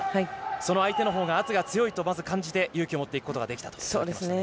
その相手のほうが圧が強いとまず感じて、勇気を持っていくことができたと言っていましたね。